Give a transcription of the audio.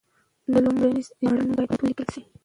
د لومړي ژباړن نوم باید ولیکل شي.